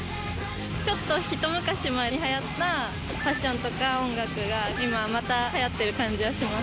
ちょっと一昔前にはやったファッションとか音楽が今、またはやってる感じはします。